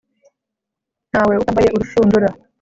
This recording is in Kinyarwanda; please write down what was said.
Nta we utambaye urushundura,